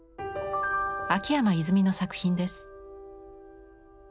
秋山泉の作品です。